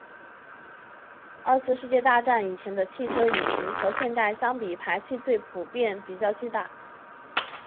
二次世界大战以前的汽车引擎和现今相比排气量普遍比较巨大。